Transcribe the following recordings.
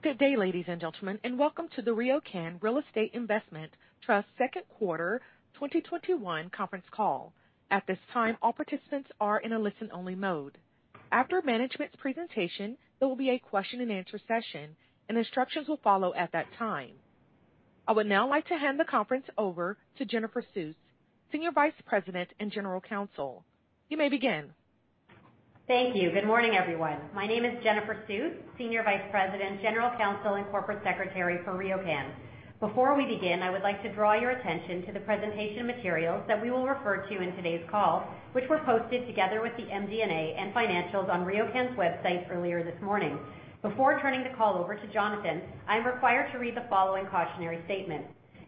Good day, ladies and gentlemen, and welcome to the RioCan Real Estate Investment Trust second quarter 2021 conference call. I would now like to hand the conference over to Jennifer Suess, Senior Vice President and General Counsel. Thank you. Good morning, everyone. My name is Jennifer Suess, Senior Vice President, General Counsel, and Corporate Secretary for RioCan. Before we begin, I would like to draw your attention to the presentation materials that we will refer to in today's call, which were posted together with the MD&A and financials on RioCan's website earlier this morning. Before turning the call over to Jonathan, I'm required to read the following cautionary statement.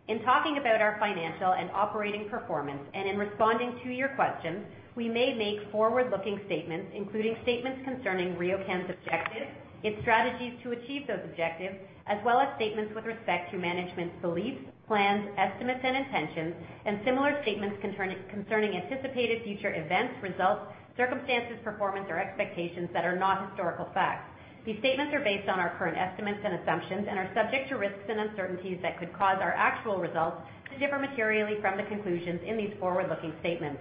In talking about our financial and operating performance, in responding to your questions, we may make forward-looking statements, including statements concerning RioCan's objectives, its strategies to achieve those objectives, as well as statements with respect to management's beliefs, plans, estimates, and intentions, and similar statements concerning anticipated future events, results, circumstances, performance, or expectations that are not historical facts. These statements are based on our current estimates and assumptions and are subject to risks and uncertainties that could cause our actual results to differ materially from the conclusions in these forward-looking statements.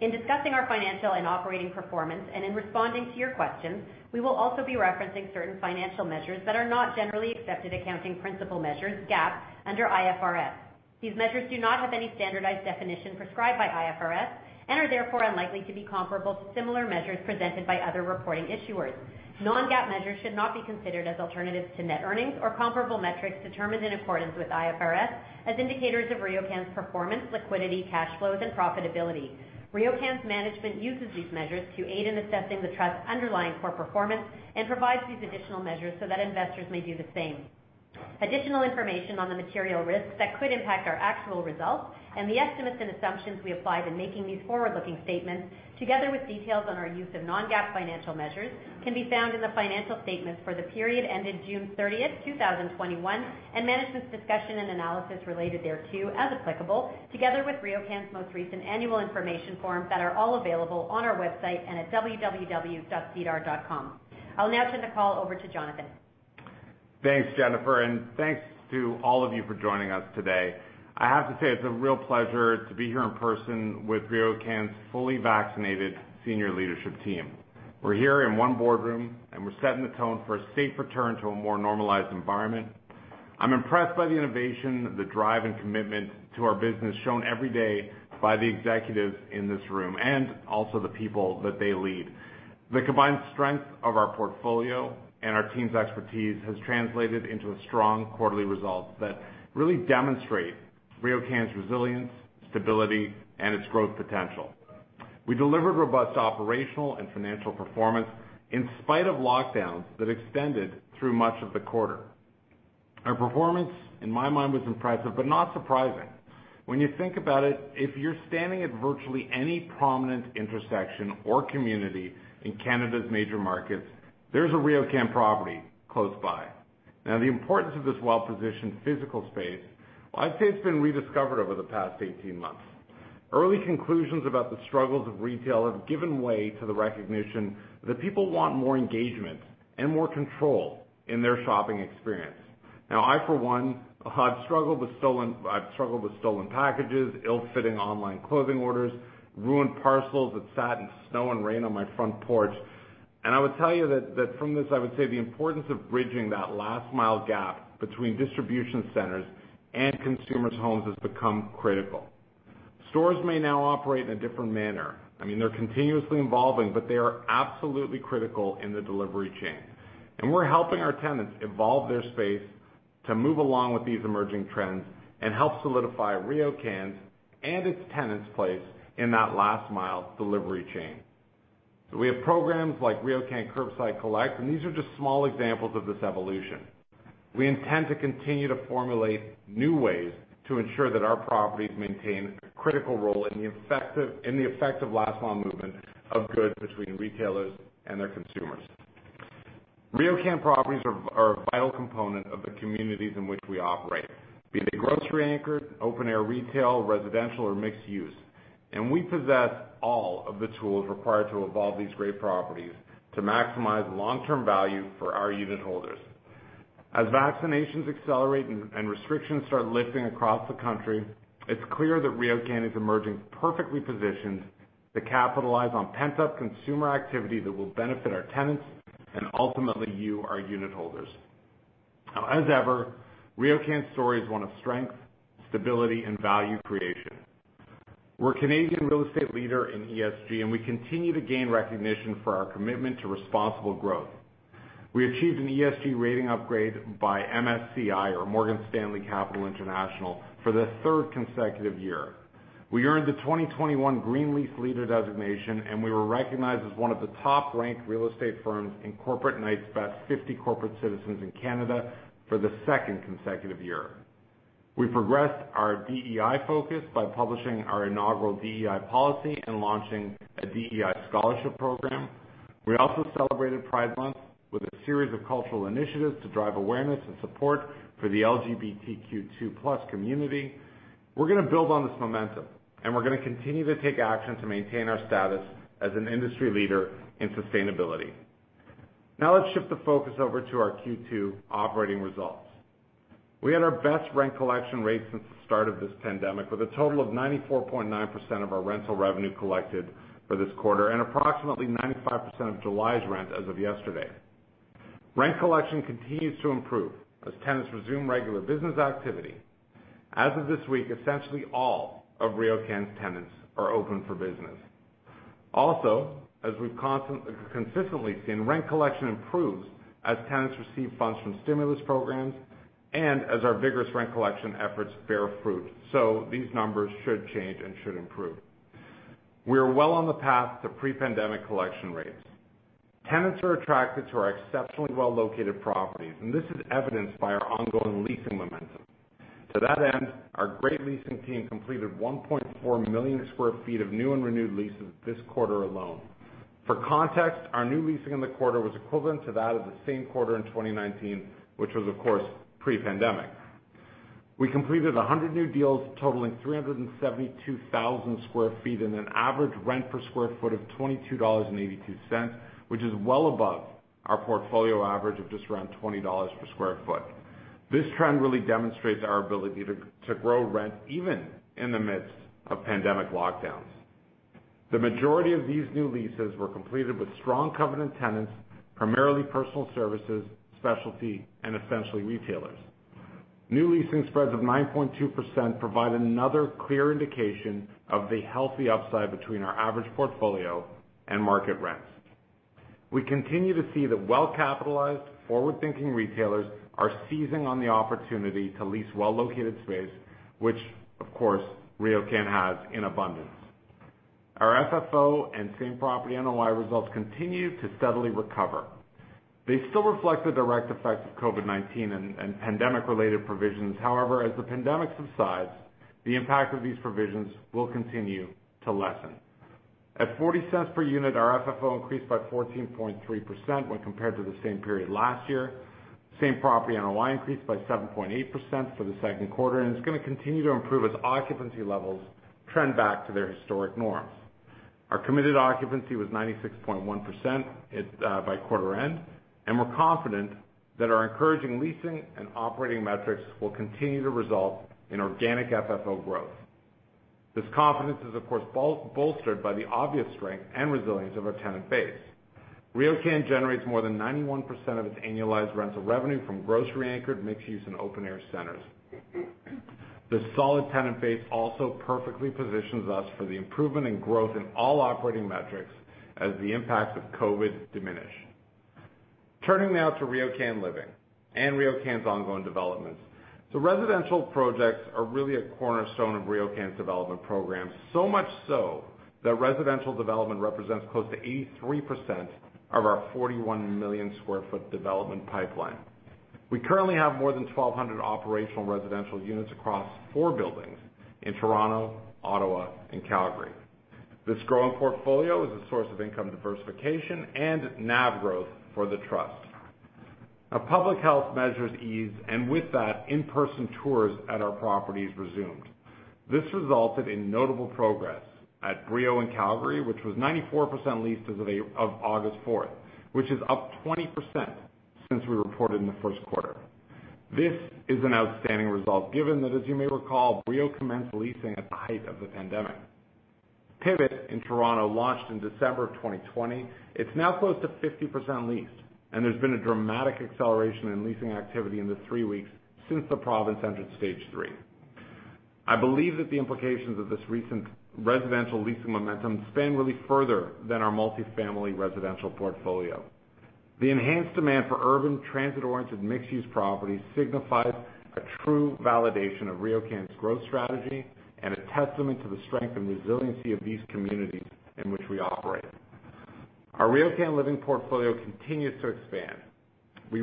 In discussing our financial and operating performance, and in responding to your questions, we will also be referencing certain financial measures that are not generally accepted accounting principle measures, GAAP, under IFRS. These measures do not have any standardized definition prescribed by IFRS and are therefore unlikely to be comparable to similar measures presented by other reporting issuers. Non-GAAP measures should not be considered as alternatives to net earnings or comparable metrics determined in accordance with IFRS as indicators of RioCan's performance, liquidity, cash flows, and profitability. RioCan's management uses these measures to aid in assessing the trust's underlying core performance and provides these additional measures so that investors may do the same. Additional information on the material risks that could impact our actual results and the estimates and assumptions we applied in making these forward-looking statements, together with details on our use of non-GAAP financial measures, can be found in the financial statements for the period ending June 30th, 2021, and management's discussion and analysis related thereto as applicable, together with RioCan's most recent annual information forms that are all available on our website and at www.sedar.com. I'll now turn the call over to Jonathan. Thanks, Jennifer, and thanks to all of you for joining us today. I have to say, it is a real pleasure to be here in person with RioCan's fully vaccinated senior leadership team. We are here in one boardroom, and we are setting the tone for a safe return to a more normalized environment. I am impressed by the innovation, the drive, and commitment to our business shown every day by the executives in this room and also the people that they lead. The combined strength of our portfolio and our team's expertise has translated into strong quarterly results that really demonstrate RioCan's resilience, stability, and its growth potential. We delivered robust operational and financial performance in spite of lockdowns that extended through much of the quarter. Our performance, in my mind, was impressive but not surprising. When you think about it, if you're standing at virtually any prominent intersection or community in Canada's major markets, there's a RioCan property close by. The importance of this well-positioned physical space, well, I'd say it's been rediscovered over the past 18 months. Early conclusions about the struggles of retail have given way to the recognition that people want more engagement and more control in their shopping experience. I for one, I've struggled with stolen packages, ill-fitting online clothing orders, ruined parcels that sat in snow and rain on my front porch. I would tell you that from this, I would say the importance of bridging that last mile gap between distribution centers and consumers' homes has become critical. Stores may now operate in a different manner. I mean, they're continuously evolving, but they are absolutely critical in the delivery chain. We're helping our tenants evolve their space to move along with these emerging trends and help solidify RioCan's and its tenants' place in that last mile delivery chain. We have programs like RioCan Curbside Collect, and these are just small examples of this evolution. We intend to continue to formulate new ways to ensure that our properties maintain a critical role in the effective last mile movement of goods between retailers and their consumers. RioCan properties are a vital component of the communities in which we operate, be it a grocery anchor, open-air retail, residential, or mixed use. We possess all of the tools required to evolve these great properties to maximize long-term value for our unit holders. As vaccinations accelerate and restrictions start lifting across the country, it's clear that RioCan is emerging perfectly positioned to capitalize on pent-up consumer activity that will benefit our tenants and ultimately you, our unit holders. Now, as ever, RioCan's story is one of strength, stability, and value creation. We're a Canadian real estate leader in ESG, and we continue to gain recognition for our commitment to responsible growth. We achieved an ESG rating upgrade by MSCI or Morgan Stanley Capital International for the third consecutive year. We earned the 2021 Green Lease Leader designation, and we were recognized as one of the top-ranked real estate firms in Corporate Knights Best 50 Corporate Citizens in Canada for the second consecutive year. We progressed our DEI focus by publishing our inaugural DEI policy and launching a DEI scholarship program. We also celebrated Pride Month with a series of cultural initiatives to drive awareness and support for the LGBTQ2+ community. We're going to build on this momentum, we're going to continue to take action to maintain our status as an industry leader in sustainability. Let's shift the focus over to our Q2 operating results. We had our best rent collection rate since the start of this pandemic, with a total of 94.9% of our rental revenue collected for this quarter and approximately 95% of July's rent as of yesterday. Rent collection continues to improve as tenants resume regular business activity. As of this week, essentially all of RioCan's tenants are open for business. As we've consistently seen, rent collection improves as tenants receive funds from stimulus programs and as our vigorous rent collection efforts bear fruit. These numbers should change and should improve. We are well on the path to pre-pandemic collection rates. Tenants are attracted to our exceptionally well-located properties, and this is evidenced by our ongoing leasing momentum. To that end, our great leasing team completed 1.4 million sq ft of new and renewed leases this quarter alone. For context, our new leasing in the quarter was equivalent to that of the same quarter in 2019, which was, of course, pre-pandemic. We completed 100 new deals totaling 372,000 sq ft in an average rent per square foot of 22.82 dollars, which is well above our portfolio average of just around 20 dollars per square foot. This trend really demonstrates our ability to grow rent even in the midst of pandemic lockdowns. The majority of these new leases were completed with strong covenant tenants, primarily personal services, specialty, and essentially retailers. New leasing spreads of 9.2% provide another clear indication of the healthy upside between our average portfolio and market rents. We continue to see that well-capitalized, forward-thinking retailers are seizing on the opportunity to lease well-located space, which, of course, RioCan has in abundance. Our FFO and same-property NOI results continue to steadily recover. They still reflect the direct effects of COVID-19 and pandemic-related provisions. However, as the pandemic subsides, the impact of these provisions will continue to lessen. At 0.40 per unit, our FFO increased by 14.3% when compared to the same period last year. Same-property NOI increased by 7.8% for the second quarter, and it's going to continue to improve as occupancy levels trend back to their historic norms. Our committed occupancy was 96.1% by quarter end, and we're confident that our encouraging leasing and operating metrics will continue to result in organic FFO growth. This confidence is, of course, bolstered by the obvious strength and resilience of our tenant base. RioCan generates more than 91% of its annualized rental revenue from grocery-anchored, mixed-use, and open-air centers. The solid tenant base also perfectly positions us for the improvement in growth in all operating metrics as the impacts of COVID diminish. Turning now to RioCan Living and RioCan's ongoing developments. Residential projects are really a cornerstone of RioCan's development program, so much so that residential development represents close to 83% of our 41 million sq ft development pipeline. We currently have more than 1,200 operational residential units across four buildings in Toronto, Ottawa, and Calgary. This growing portfolio is a source of income diversification and NAV growth for the trust. Our public health measures eased, and with that, in-person tours at our properties resumed. This resulted in notable progress at Brio in Calgary, which was 94% leased as of August 4th, which is up 20% since we reported in the first quarter. This is an outstanding result given that, as you may recall, Brio commenced leasing at the height of the pandemic. Pivot in Toronto launched in December of 2020. It's now close to 50% leased, and there's been a dramatic acceleration in leasing activity in the three weeks since the province entered stage three. I believe that the implications of this recent residential leasing momentum span really further than our multi-family residential portfolio. The enhanced demand for urban transit-oriented mixed-use properties signifies a true validation of RioCan's growth strategy and a testament to the strength and resiliency of these communities in which we operate. Our RioCan Living portfolio continues to expand. I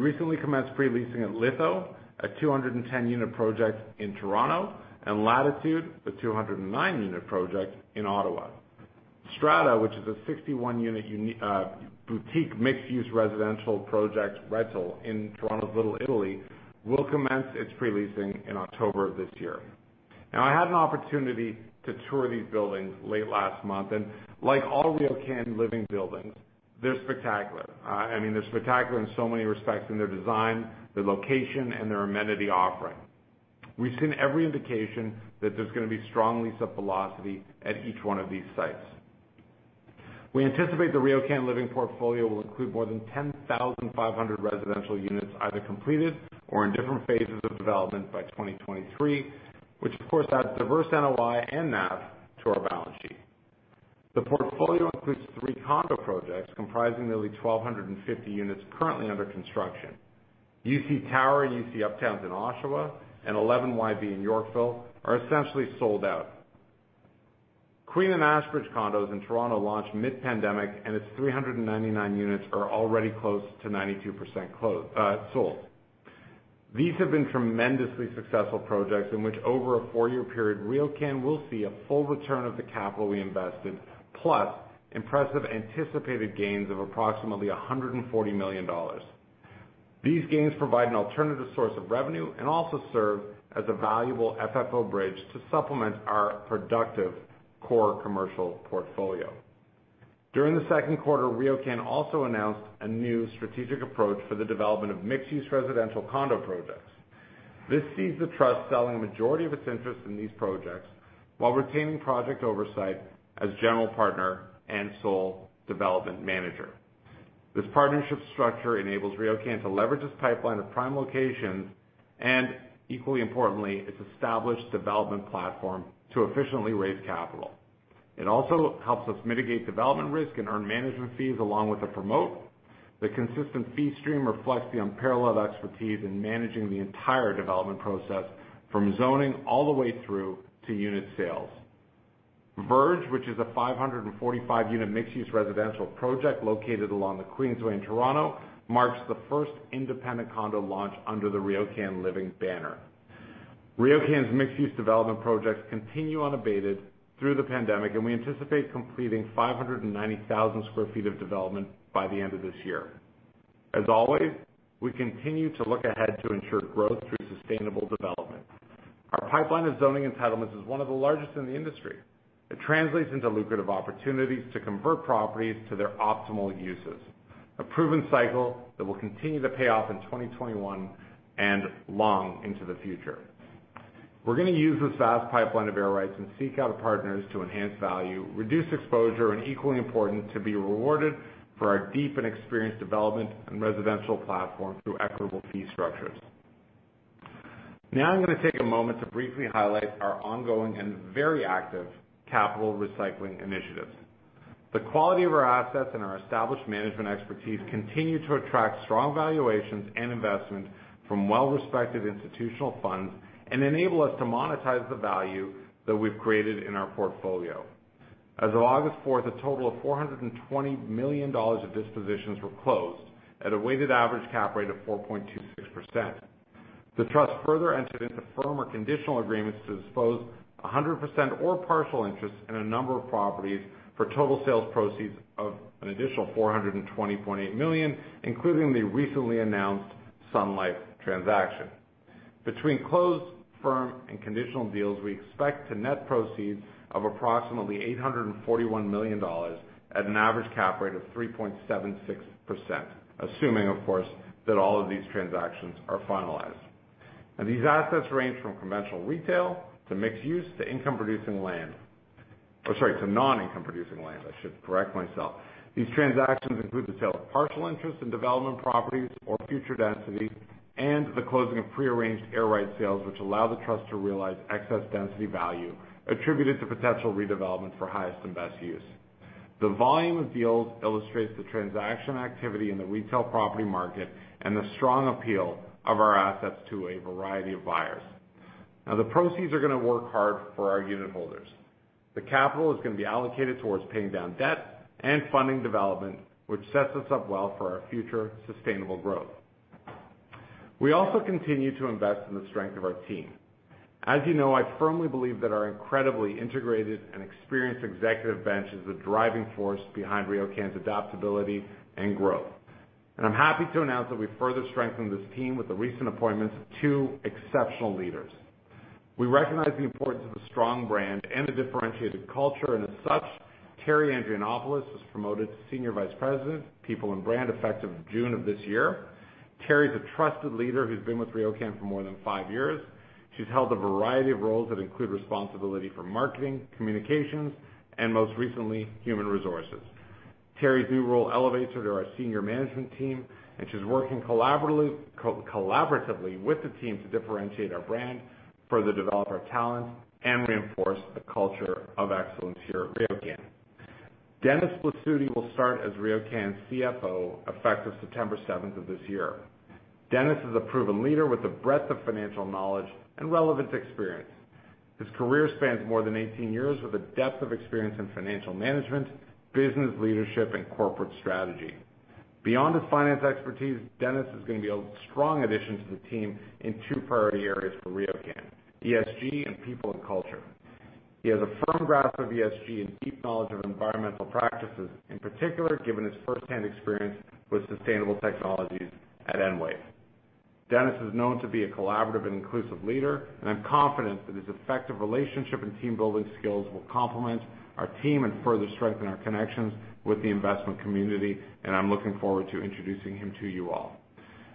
had an opportunity to tour these buildings late last month, and like all RioCan Living buildings, they're spectacular. I mean, they're spectacular in so many respects in their design, their location, and their amenity offering. We've seen every indication that there's going to be strong lease-up velocity at each one of these sites. We anticipate the RioCan Living portfolio will include more than 10,500 residential units, either completed or in different phases of development by 2023, which of course adds diverse NOI and NAV to our balance sheet. The portfolio includes three condo projects comprising nearly 1,250 units currently under construction. U.C. Tower. U.C. Uptowns in Oshawa, and 11 YV in Yorkville are essentially sold out. Queen & Ashbridge condos in Toronto launched mid-pandemic, and its 399 units are already close to 92% sold. These have been tremendously successful projects in which over a four-year period, RioCan will see a full return of the capital we invested, plus impressive anticipated gains of approximately 140 million dollars. These gains provide an alternative source of revenue and also serve as a valuable FFO bridge to supplement our productive core commercial portfolio. During the second quarter, RioCan also announced a new strategic approach for the development of mixed-use residential condo projects. This sees the trust selling a majority of its interest in these projects while retaining project oversight as general partner and sole development manager. This partnership structure enables RioCan to leverage its pipeline of prime locations, and equally importantly, its established development platform to efficiently raise capital. It also helps us mitigate development risk and earn management fees along with a promote. The consistent fee stream reflects the unparalleled expertise in managing the entire development process, from zoning all the way through to unit sales. Verge, which is a 545-unit mixed-use residential project located along the Queensway in Toronto, marks the first independent condo launch under the RioCan Living banner. RioCan's mixed-use development projects continue unabated through the pandemic, and we anticipate completing 590,000 sq ft of development by the end of this year. As always, we continue to look ahead to ensure growth through sustainable development. Our pipeline of zoning entitlements is one of the largest in the industry. It translates into lucrative opportunities to convert properties to their optimal uses, a proven cycle that will continue to pay off in 2021 and long into the future. We're going to use this vast pipeline of air rights and seek out partners to enhance value, reduce exposure, and equally important, to be rewarded for our deep and experienced development and residential platform through equitable fee structures. I'm going to take a moment to briefly highlight our ongoing and very active capital recycling initiatives. The quality of our assets and our established management expertise continue to attract strong valuations and investment from well-respected institutional funds and enable us to monetize the value that we've created in our portfolio. As of August 4th, a total of 420 million dollars of dispositions were closed at a weighted average cap rate of 4.26%. The trust further entered into firm or conditional agreements to dispose 100% or partial interests in a number of properties for total sales proceeds of an additional 420.8 million, including the recently announced Sun Life transaction. Between closed firm and conditional deals, we expect to net proceeds of approximately 841 million dollars at an average cap rate of 3.76%, assuming, of course, that all of these transactions are finalized. These assets range from conventional retail, to mixed use, to income-producing land. Sorry, to non-income producing land. I should correct myself. These transactions include the sale of partial interest in development properties or future density and the closing of prearranged air right sales, which allow the trust to realize excess density value attributed to potential redevelopment for highest and best use. The volume of deals illustrates the transaction activity in the retail property market and the strong appeal of our assets to a variety of buyers. The proceeds are going to work hard for our unit holders. The capital is going to be allocated towards paying down debt and funding development, which sets us up well for our future sustainable growth. We also continue to invest in the strength of our team. As you know, I firmly believe that our incredibly integrated and experienced executive bench is the driving force behind RioCan's adaptability and growth. I'm happy to announce that we further strengthened this team with the recent appointments of two exceptional leaders. We recognize the importance of a strong brand and a differentiated culture, and as such, Terri Andrianopoulos was promoted to Senior Vice President, People and Brand, effective June of this year. Terri is a trusted leader who's been with RioCan for more than five years. She's held a variety of roles that include responsibility for marketing, communications, and most recently, human resources. Terri's new role elevates her to our senior management team, and she's working collaboratively with the team to differentiate our brand, further develop our talent, and reinforce the culture of excellence here at RioCan. Dennis Blasutti will start as RioCan's CFO effective September 7th of this year. Dennis is a proven leader with a breadth of financial knowledge and relevant experience. His career spans more than 18 years with a depth of experience in financial management, business leadership, and corporate strategy. Beyond his finance expertise, Dennis is going to be a strong addition to the team in two priority areas for RioCan: ESG and people and culture. He has a firm grasp of ESG and deep knowledge of environmental practices, in particular, given his firsthand experience with sustainable technologies at Enwave. Dennis is known to be a collaborative and inclusive leader. I'm confident that his effective relationship and team-building skills will complement our team and further strengthen our connections with the investment community. I'm looking forward to introducing him to you all.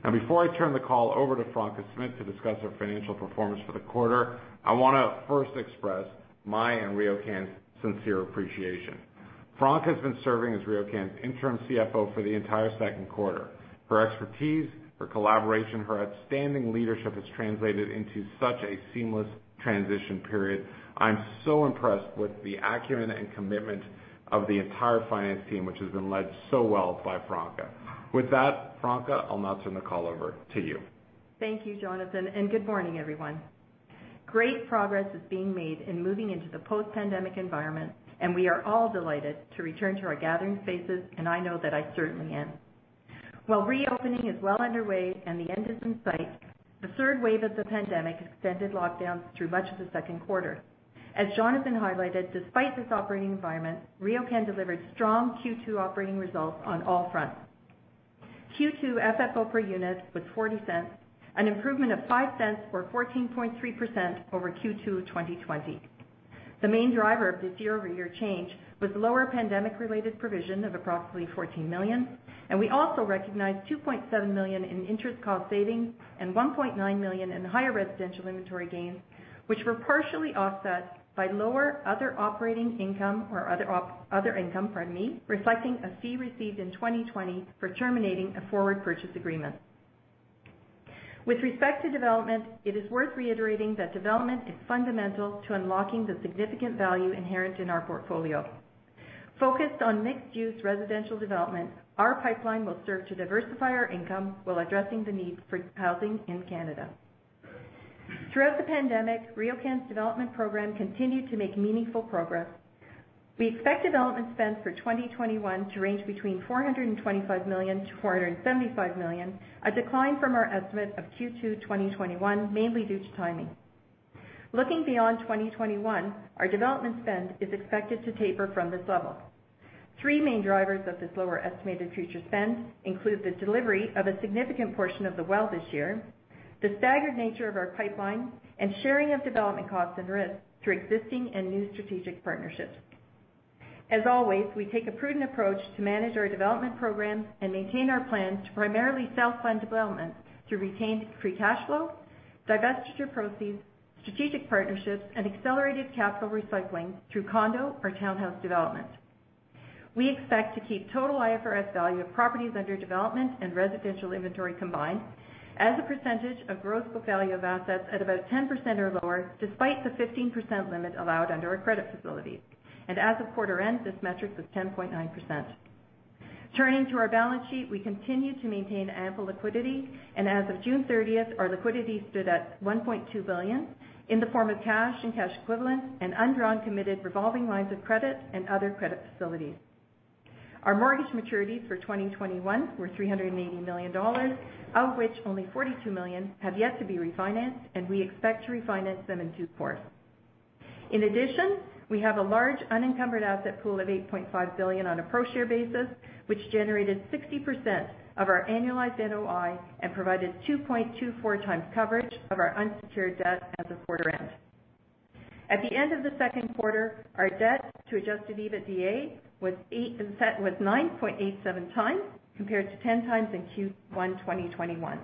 Now, before I turn the call over to Franca Smith to discuss our financial performance for the quarter, I want to first express my and RioCan's sincere appreciation. Franca has been serving as RioCan's interim CFO for the entire second quarter. Her expertise, her collaboration, her outstanding leadership has translated into such a seamless transition period. I'm so impressed with the acumen and commitment of the entire finance team, which has been led so well by Franca. With that, Franca, I'll now turn the call over to you. Thank you, Jonathan. Good morning, everyone. Great progress is being made in moving into the post-pandemic environment, and we are all delighted to return to our gathering spaces, and I know that I certainly am. While reopening is well underway and the end is in sight, the third wave of the pandemic extended lockdowns through much of the second quarter. Jonathan highlighted, despite this operating environment, RioCan delivered strong Q2 operating results on all fronts. Q2 FFO per unit was 0.40, an improvement of 0.05 or 14.3% over Q2 2020. The main driver of this year-over-year change was lower pandemic-related provision of approximately 14 million, and we also recognized 2.7 million in interest cost savings and 1.9 million in higher residential inventory gains, which were partially offset by lower other income, reflecting a fee received in 2020 for terminating a forward purchase agreement. With respect to development, it is worth reiterating that development is fundamental to unlocking the significant value inherent in our portfolio. Focused on mixed-use residential development, our pipeline will serve to diversify our income while addressing the need for housing in Canada. Throughout the pandemic, RioCan's development program continued to make meaningful progress. We expect development spend for 2021 to range between 425 million-475 million, a decline from our estimate of Q2 2021, mainly due to timing. Looking beyond 2021, our development spend is expected to taper from this level. Three main drivers of this lower estimated future spend include the delivery of a significant portion of The Well this year, the staggered nature of our pipeline, and sharing of development costs and risks through existing and new strategic partnerships. As always, we take a prudent approach to manage our development programs and maintain our plans to primarily self-fund development through retained free cash flow, divestiture proceeds, strategic partnerships, and accelerated capital recycling through condo or townhouse development. We expect to keep total IFRS value of properties under development and residential inventory combined as a percentage of gross book value of assets at about 10% or lower, despite the 15% limit allowed under our credit facilities. As of quarter end, this metric was 10.9%. Turning to our balance sheet, we continue to maintain ample liquidity, and as of June 30th, our liquidity stood at 1.2 billion in the form of cash and cash equivalents and undrawn committed revolving lines of credit and other credit facilities. Our mortgage maturities for 2021 were 380 million dollars, of which only 42 million have yet to be refinanced. We expect to refinance them in due course. In addition, we have a large unencumbered asset pool of 8.5 billion on a pro share basis, which generated 60% of our annualized NOI and provided 2.24x coverage of our unsecured debt as of quarter end. At the end of the second quarter, our debt to adjusted EBITDA was 9.87x compared to 10x in Q1 2021.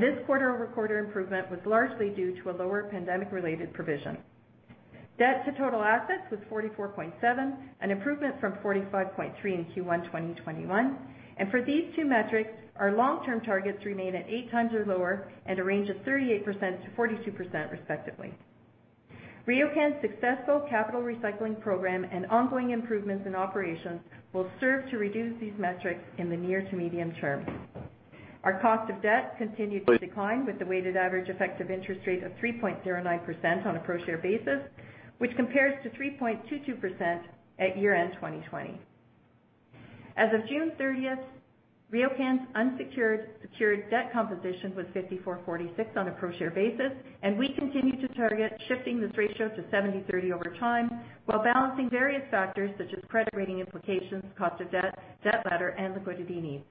This quarter-over-quarter improvement was largely due to a lower pandemic-related provision. Debt to total assets was 44.7%, an improvement from 45.3% in Q1 2021. For these two metrics, our long-term targets remain at 8x or lower and a range of 38%-42% respectively. RioCan's successful capital recycling program and ongoing improvements in operations will serve to reduce these metrics in the near to medium term. Our cost of debt continued to decline with a weighted average effective interest rate of 3.09% on a pro share basis, which compares to 3.22% at year-end 2020. As of June 30th, RioCan's unsecured, secured debt composition was 54/46 on a pro share basis, and we continue to target shifting this ratio to 70/30 over time while balancing various factors such as credit rating implications, cost of debt ladder, and liquidity needs.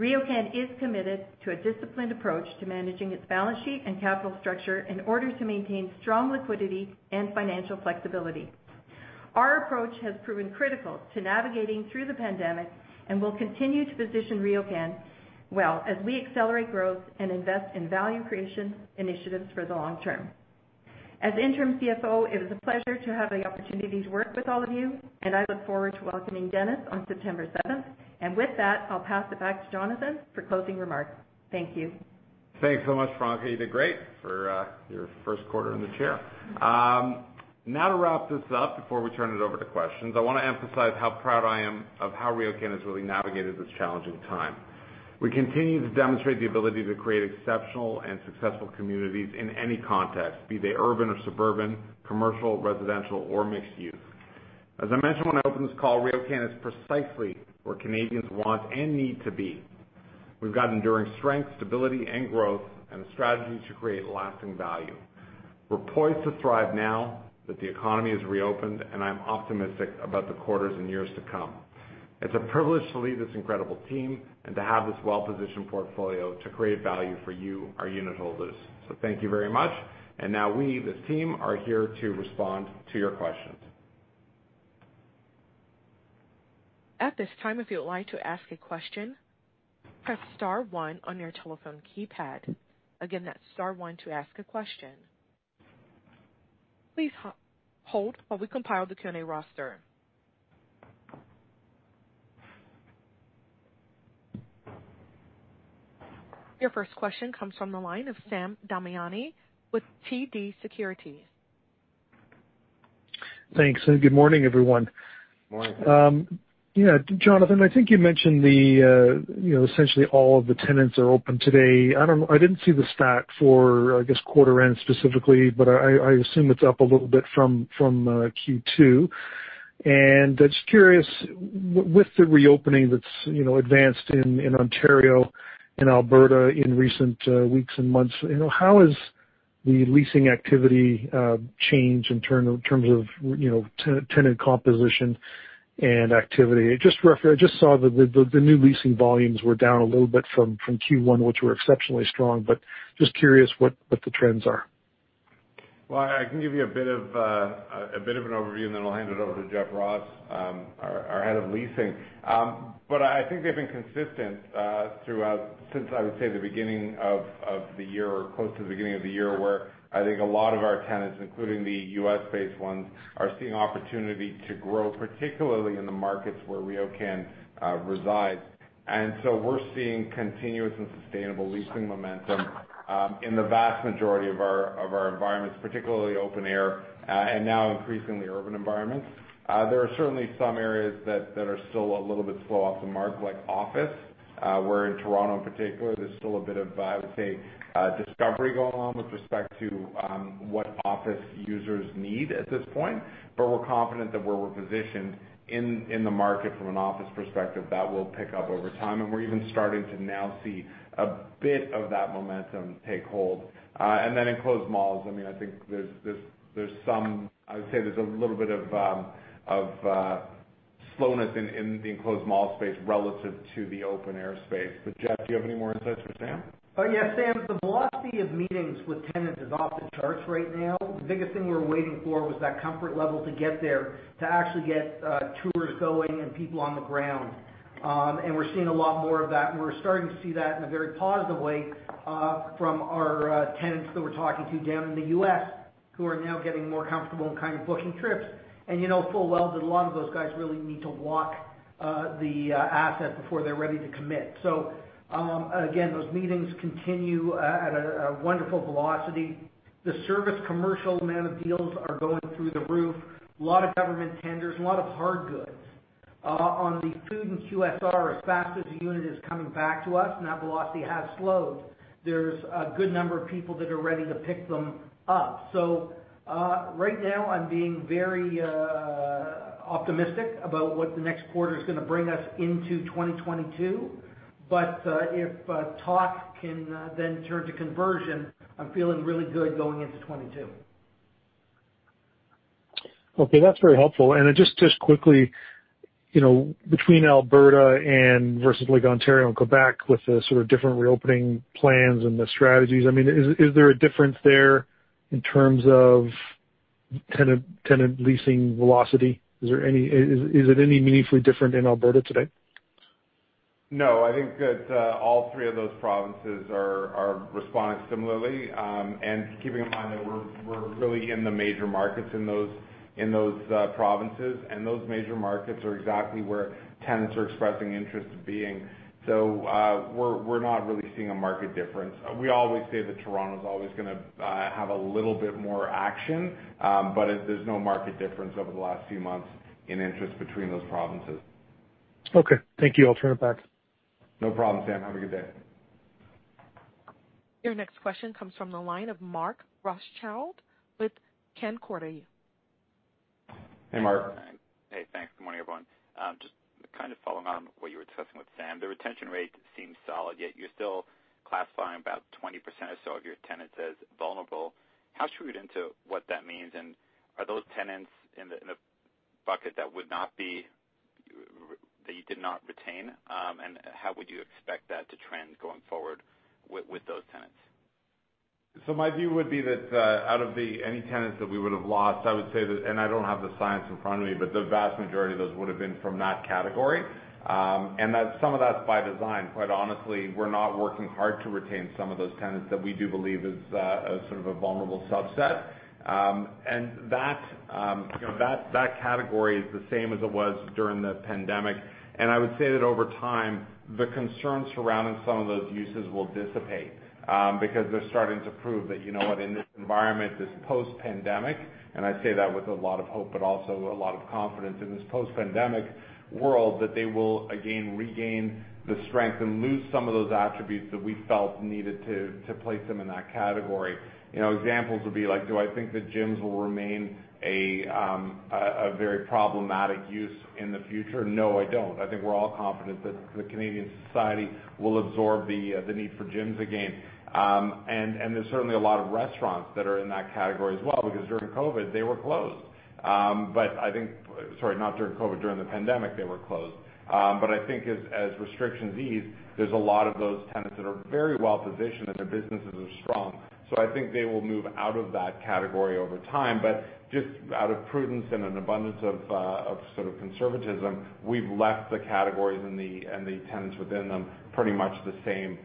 RioCan is committed to a disciplined approach to managing its balance sheet and capital structure in order to maintain strong liquidity and financial flexibility. Our approach has proven critical to navigating through the pandemic and will continue to position RioCan well as we accelerate growth and invest in value creation initiatives for the long term. As interim CFO, it is a pleasure to have the opportunity to work with all of you, and I look forward to welcoming Dennis on September 7th. With that, I'll pass it back to Jonathan for closing remarks. Thank you. Thanks so much, Franca. You did great for your first quarter in the chair. To wrap this up before we turn it over to questions, I want to emphasize how proud I am of how RioCan has really navigated this challenging time. We continue to demonstrate the ability to create exceptional and successful communities in any context, be they urban or suburban, commercial, residential, or mixed use. As I mentioned when I opened this call, RioCan is precisely where Canadians want and need to be. We've got enduring strength, stability, and growth, and a strategy to create lasting value. We're poised to thrive now that the economy has reopened, and I'm optimistic about the quarters and years to come. It's a privilege to lead this incredible team and to have this well-positioned portfolio to create value for you, our unit holders. Thank you very much. Now we, this team, are here to respond to your questions. At this time to ask a question. Press star one on your telephone keypad. Again, that's star one to ask a question. Hold while we compile the Q&A roster. Your first question comes from the line of Sam Damiani with TD Securities. Thanks, and good morning, everyone. Morning. Yeah, Jonathan, I think you mentioned essentially all of the tenants are open today. I didn't see the stat for, I guess, quarter end specifically, but I assume it's up a little bit from Q2. Just curious, with the reopening that's advanced in Ontario and Alberta in recent weeks and months, how has the leasing activity changed in terms of tenant composition and activity? I just saw the new leasing volumes were down a little bit from Q1, which were exceptionally strong, but just curious what the trends are. Well, I can give you a bit of an overview, and then I'll hand it over to Jeff Ross, our Head of Leasing. I think they've been consistent since, I would say the beginning of the year, or close to the beginning of the year, where I think a lot of our tenants, including the U.S.-based ones, are seeing opportunity to grow, particularly in the markets where RioCan resides. We're seeing continuous and sustainable leasing momentum in the vast majority of our environments, particularly open air, and now increasingly urban environments. There are certainly some areas that are still a little bit slow off the mark, like office, where in Toronto in particular, there's still a bit of, I would say, discovery going on with respect to what office users need at this point. We're confident that where we're positioned in the market from an office perspective, that will pick up over time, and we're even starting to now see a bit of that momentum take hold. Enclosed malls, I would say there's a little bit of slowness in the enclosed mall space relative to the open-air space. Jeff, do you have any more insights for Sam? Yes, Sam. The velocity of meetings with tenants is off the charts right now. The biggest thing we were waiting for was that comfort level to get there, to actually get tours going and people on the ground. We're seeing a lot more of that, and we're starting to see that in a very positive way from our tenants that we're talking to down in the U.S., who are now getting more comfortable in kind of booking trips, and you know full well that a lot of those guys really need to walk the asset before they're ready to commit. Again, those meetings continue at a wonderful velocity. The service commercial amount of deals are going through the roof. A lot of government tenders, a lot of hard goods. The food and QSR, as fast as a unit is coming back to us, that velocity has slowed. There's a good number of people that are ready to pick them up. Right now, I'm being very optimistic about what the next quarter is going to bring us into 2022. If talk can turn to conversion, I'm feeling really good going into 2022. Okay. That's very helpful. Just quickly, between Alberta versus Lake Ontario and Quebec, with the sort of different reopening plans and the strategies, is there a difference there in terms of tenant leasing velocity? Is it any meaningfully different in Alberta today? No, I think that all three of those provinces are responding similarly. Keeping in mind that we're really in the major markets in those provinces, and those major markets are exactly where tenants are expressing interest being. We're not really seeing a market difference. We always say that Toronto's always going to have a little bit more action, there's no market difference over the last few months in interest between those provinces. Okay. Thank you. I'll turn it back. No problem, Sam. Have a good day. Your next question comes from the line of Mark Rothschild with Canaccord. Hey, Mark. Hey, thanks. Good morning, everyone. Just kind of following on what you were discussing with Sam. The retention rate seems solid, yet you're still classifying about 20% or so of your tenants as vulnerable. How should we read into what that means, and are those tenants in the bucket that you did not retain? How would you expect that to trend going forward with those tenants? My view would be that out of any tenants that we would've lost, I would say that, and I don't have the science in front of me, but the vast majority of those would've been from that category. That some of that's by design. Quite honestly, we're not working hard to retain some of those tenants that we do believe is sort of a vulnerable subset. That category is the same as it was during the pandemic. I would say that over time, the concerns surrounding some of those uses will dissipate because they're starting to prove that you know what, in this environment, this post-pandemic, and I say that with a lot of hope, but also a lot of confidence in this post-pandemic world, that they will again regain the strength and lose some of those attributes that we felt needed to place them in that category. Examples would be like, do I think that gyms will remain a very problematic use in the future? No, I don't. I think we're all confident that the Canadian society will absorb the need for gyms again. There's certainly a lot of restaurants that are in that category as well, because during COVID, they were closed. Sorry, not during COVID, during the pandemic they were closed. I think as restrictions ease, there's a lot of those tenants that are very well positioned and their businesses are strong. I think they will move out of that category over time. Just out of prudence and an abundance of sort of conservatism, we've left the categories and the tenants within them pretty much the same,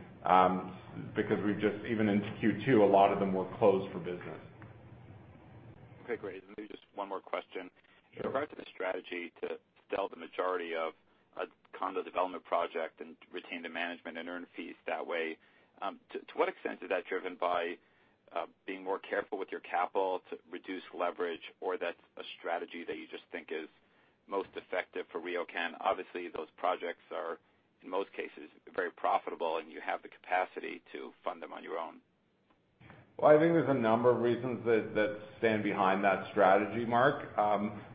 because even into Q2, a lot of them were closed for business. Okay, great. Maybe just one more question. Sure. With regard to the strategy to sell the majority of a condo development project and retain the management and earn fees that way, to what extent is that driven by being more careful with your capital to reduce leverage, or that's a strategy that you just think is most effective for RioCan? Obviously, those projects are, in most cases, very profitable, and you have the capacity to fund them on your own. I think there's a number of reasons that stand behind that strategy, Mark.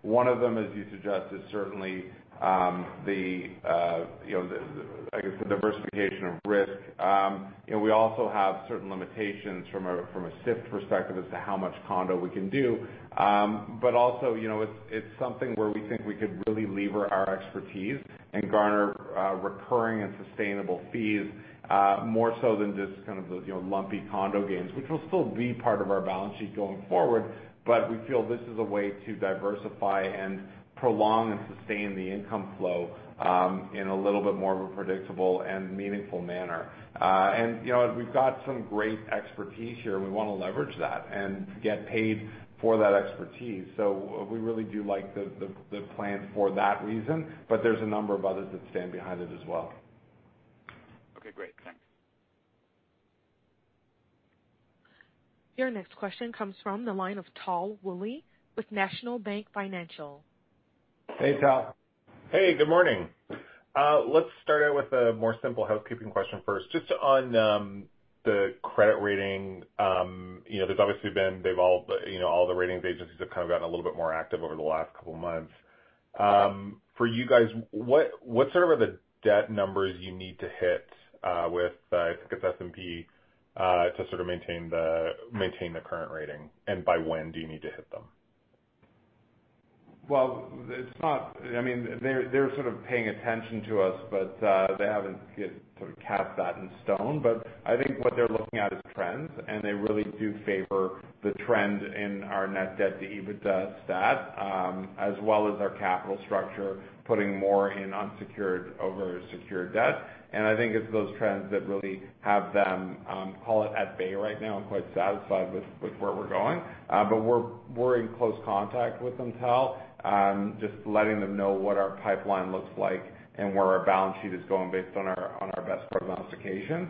One of them, as you suggest, is certainly the diversification of risk. We also have certain limitations from a SIFT perspective as to how much condo we can do. Also, it's something where we think we could really lever our expertise and garner recurring and sustainable fees, more so than just kind of those lumpy condo gains, which will still be part of our balance sheet going forward, but we feel this is a way to diversify and prolong and sustain the income flow in a little bit more of a predictable and meaningful manner. We've got some great expertise here, and we want to leverage that and get paid for that expertise. We really do like the plan for that reason, but there's a number of others that stand behind it as well. Okay, great. Thanks. Your next question comes from the line of Tal Woolley with National Bank Financial. Hey, Tal. Hey, good morning. Let's start out with a more simple housekeeping question first. Just on the credit rating. There's obviously been, all the ratings agencies have kind of gotten a little bit more active over the last couple of months. For you guys, what sort of are the debt numbers you need to hit with, I think it's S&P to sort of maintain the current rating, and by when do you need to hit them? Well, they're sort of paying attention to us, they haven't yet sort of carved that in stone. I think what they're looking at is trends, and they really do favor the trend in our net debt-to-EBITDA stat as well as our capital structure, putting more in unsecured over secured debt. I think it's those trends that really have them call it at bay right now and quite satisfied with where we're going. We're in close contact with them, Tal, just letting them know what our pipeline looks like and where our balance sheet is going based on our best prognostications.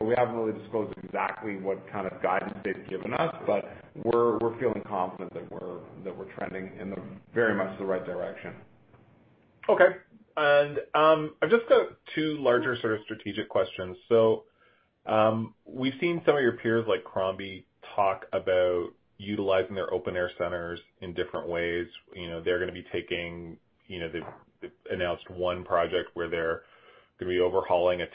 We haven't really disclosed exactly what kind of guidance they've given us, we're feeling confident that we're trending in very much the right direction. Okay. I've just got two larger sort of strategic questions. We've seen some of your peers, like Crombie, talk about utilizing their open-air centers in different ways. They've announced one project where they're going to be overhauling an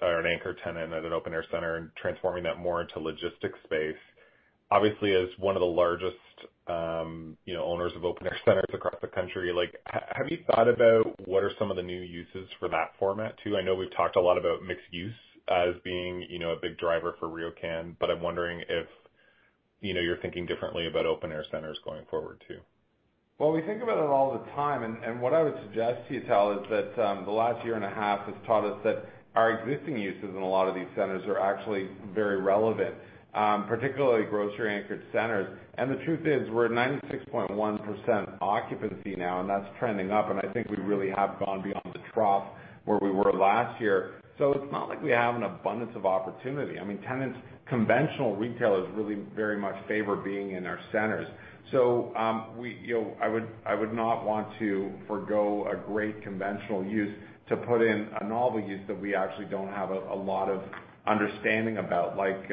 anchor tenant at an open-air center and transforming that more into logistics space. Obviously, as one of the largest owners of open-air centers across the country, have you thought about what are some of the new uses for that format, too? I know we've talked a lot about mixed use as being a big driver for RioCan, but I'm wondering if you're thinking differently about open-air centers going forward, too. Well, we think about it all the time, and what I would suggest to you, Tal, is that the last year and a half has taught us that our existing uses in a lot of these centers are actually very relevant, particularly grocery anchored centers. The truth is, we're at 96.1% occupancy now, and that's trending up, and I think we really have gone beyond the trough where we were last year. It's not like we have an abundance of opportunity. I mean, tenants, conventional retailers really very much favor being in our centers. I would not want to forgo a great conventional use to put in a novel use that we actually don't have a lot of understanding about, like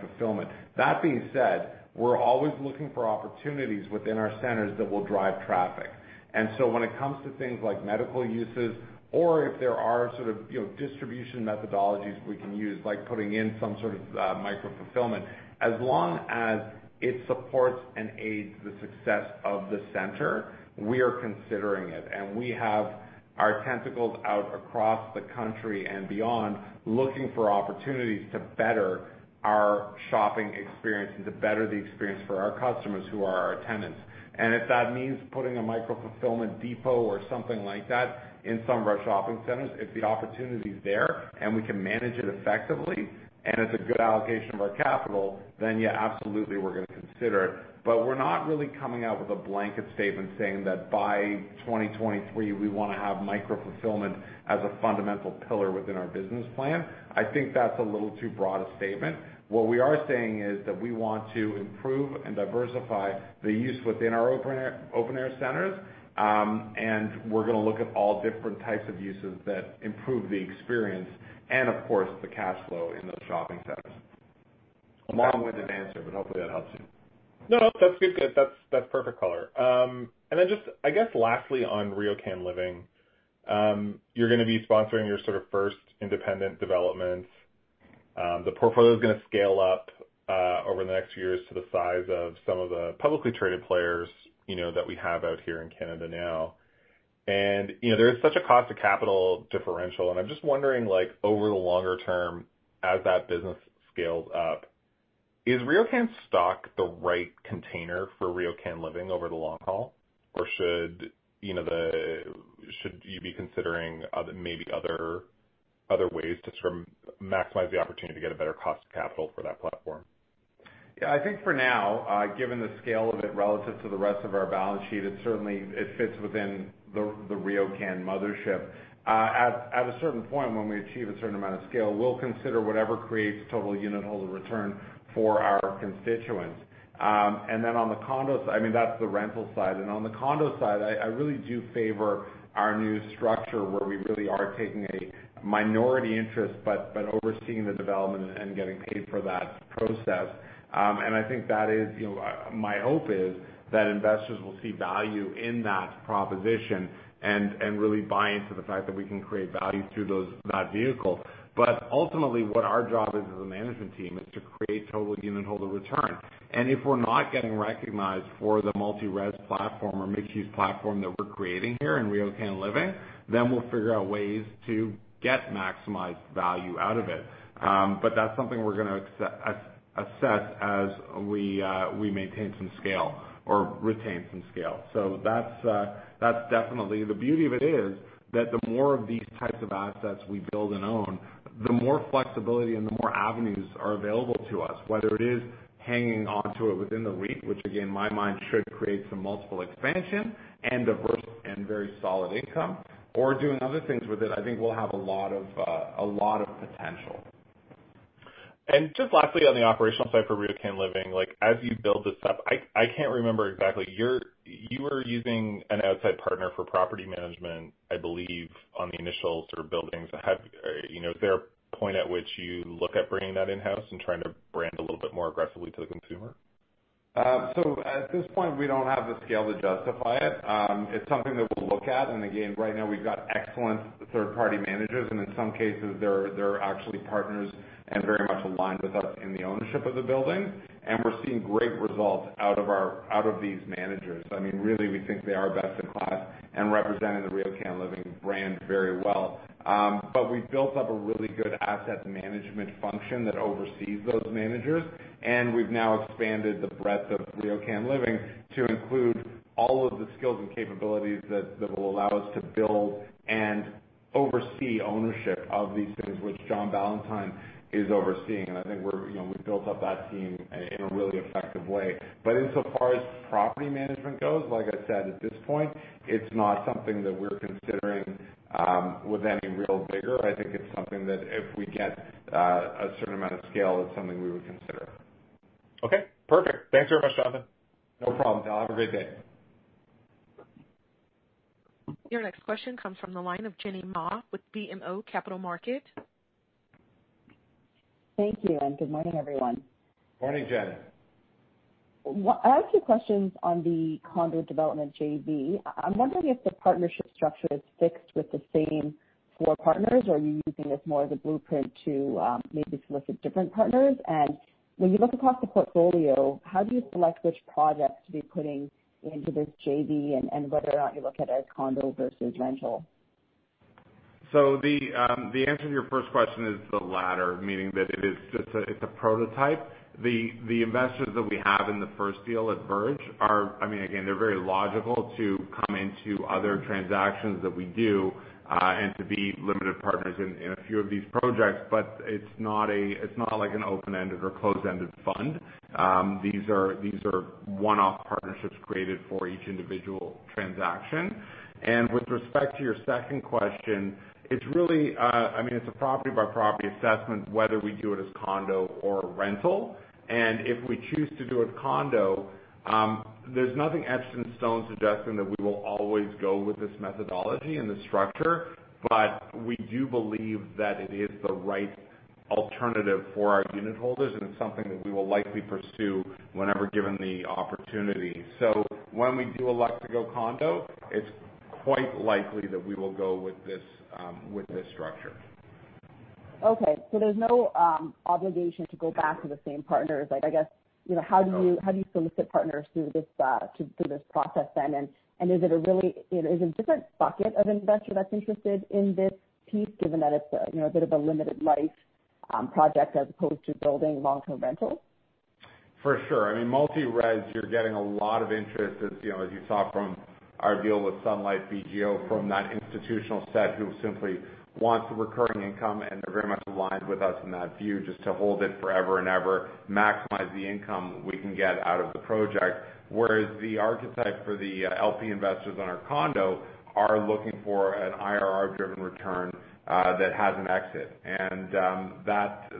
fulfillment. That being said, we're always looking for opportunities within our centers that will drive traffic. When it comes to things like medical uses, or if there are sort of distribution methodologies we can use, like putting in some sort of micro fulfillment, as long as it supports and aids the success of the center, we are considering it. We have our tentacles out across the country and beyond, looking for opportunities to better our shopping experience and to better the experience for our customers, who are our tenants. If that means putting a micro fulfillment depot or something like that in some of our shopping centers, if the opportunity's there and we can manage it effectively and it's a good allocation of our capital, then yeah, absolutely, we're going to consider it. We're not really coming out with a blanket statement saying that by 2023, we want to have micro fulfillment as a fundamental pillar within our business plan. I think that's a little too broad a statement. What we are saying is that we want to improve and diversify the use within our open-air centers, and we're going to look at all different types of uses that improve the experience and, of course, the cash flow in those shopping centers. A long-winded answer, but hopefully that helps you. No, that's good. That's perfect color. Then just, I guess lastly, on RioCan Living. You're going to be sponsoring your sort of first independent developments. The portfolio's going to scale up over the next few years to the size of some of the publicly traded players that we have out here in Canada now. There is such a cost of capital differential, I'm just wondering, over the longer term as that business scales up, is RioCan's stock the right container for RioCan Living over the long haul? Or should you be considering maybe other ways to maximize the opportunity to get a better cost of capital for that platform? Yeah, I think for now, given the scale of it relative to the rest of our balance sheet, it fits within the RioCan mothership. At a certain point when we achieve a certain amount of scale, we'll consider whatever creates total unitholder return for our constituents. That's the rental side. On the condo side, I really do favor our new structure where we really are taking a minority interest, but overseeing the development and getting paid for that process. My hope is that investors will see value in that proposition and really buy into the fact that we can create value through that vehicle. Ultimately, what our job is as a management team is to create total unitholder return. If we're not getting recognized for the multi-res platform or mixed-use platform that we're creating here in RioCan Living, then we'll figure out ways to get maximized value out of it. That's something we're going to assess as we maintain some scale or retain some scale. The beauty of it is that the more of these types of assets we build and own, the more flexibility and the more avenues are available to us, whether it is hanging on to it within the REIT, which again, in my mind, should create some multiple expansion and diverse and very solid income, or doing other things with it. I think we'll have a lot of potential. Just lastly, on the operational side for RioCan Living, as you build this up, I can't remember exactly. You were using an outside partner for property management, I believe, on the initial sort of buildings. Is there a point at which you look at bringing that in-house and trying to brand a little bit more aggressively to the consumer? At this point, we don't have the scale to justify it. It's something that we'll look at. Again, right now, we've got excellent third-party managers, and in some cases, they're actually partners and very much aligned with us in the ownership of the building. We're seeing great results out of these managers. Really, we think they are best in class and representing the RioCan Living brand very well. We've built up a really good asset management function that oversees those managers, and we've now expanded the breadth of RioCan Living to include all of the skills and capabilities that will allow us to build and oversee ownership of these things, which John Ballantyne is overseeing. I think we've built up that team in a really effective way. Insofar as property management goes, like I said, at this point, it's not something that we're considering with any real vigor. I think it's something that if we get a certain amount of scale, it's something we would consider. Okay, perfect. Thanks very much, Jonathan. No problem, Tal. Have a great day. Your next question comes from the line of Jenny Ma with BMO Capital Markets. Thank you. Good morning, everyone. Morning, Jenny. I have two questions on the condo development JV. I'm wondering if the partnership structure is fixed with the same four partners, or are you using this more as a blueprint to maybe solicit different partners? When you look across the portfolio, how do you select which projects to be putting into this JV and whether or not you look at it as condo versus rental? The answer to your first question is the latter, meaning that it's a prototype. The investors that we have in the first deal at Verge are, again, they're very logical to come into other transactions that we do and to be limited partners in a few of these projects. It's not like an open-ended or closed-ended fund. These are one-off partnerships created for each individual transaction. With respect to your second question, it's a property-by-property assessment, whether we do it as condo or rental. If we choose to do a condo, there's nothing etched in stone suggesting that we will always go with this methodology and this structure. We do believe that it is the right alternative for our unitholders, and it's something that we will likely pursue whenever given the opportunity. When we do elect to go condo, it's quite likely that we will go with this structure. Okay, there's no obligation to go back to the same partners. No. How do you solicit partners through this process then? Is it a different bucket of investor that's interested in this piece, given that it's a bit of a limited life project as opposed to building long-term rentals? For sure. Multi-res, you're getting a lot of interest, as you saw from our deal with Sun Life BGO, from that institutional set who simply wants the recurring income, and they're very much aligned with us in that view, just to hold it forever and ever, maximize the income we can get out of the project.